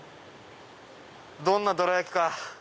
どんなどら焼きか